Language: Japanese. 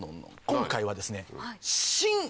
今回はですね。